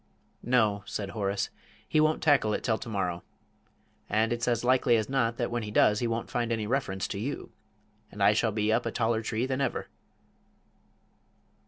"No," said Horace, "he won't tackle it till to morrow. And it's as likely as not that when he does he won't find any reference to you and I shall be up a taller tree than ever!"